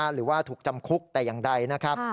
หรือว่าถูกจำคุกแต่อย่างใดนะครับ